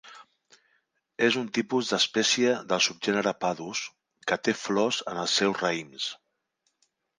És un tipus d'espècie del subgènere "Padus", que té flors en els seus raïms.